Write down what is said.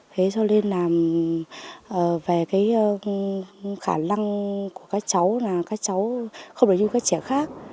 thế cho nên là về cái khả năng của các cháu là các cháu không đối với các trẻ khác